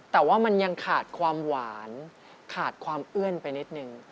แต่ว่ามันยังขาดความหวานขาดความเอื้อนไปนิดนึง